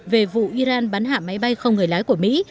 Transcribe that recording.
về vụ iran bắn hạ máy bay không người lái của mỹ